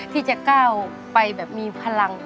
ที่จะก้าวไปแบบมีพลัง